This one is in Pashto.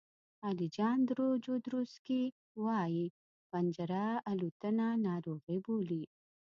الیجاندرو جودروسکي وایي پنجره الوتنه ناروغي بولي.